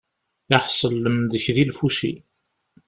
Iḥṣel lemdek di lfuci.